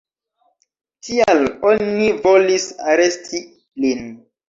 Tial oni volis aresti lin.